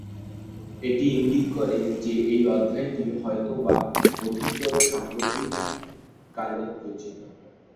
এটি ইঙ্গিত করে যে এই অধ্যায়টি হয়তো বা অধিকতর সাম্প্রতিক কালে রচিত।